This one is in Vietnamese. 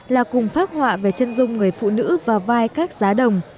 là cùng phát họa về chân dung người phụ nữ và vai các giá đồng